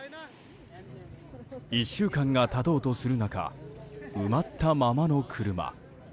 １週間が経とうとする中埋まったままの車。